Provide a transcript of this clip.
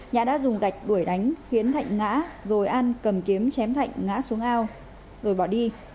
nhã đã dùng gạch đuổi đánh khiến thạnh ngã rồi an cầm kiếm chém thạnh ngã xuống ao rồi bỏ đi